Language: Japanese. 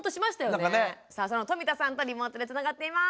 さあその冨田さんとリモートでつながっています。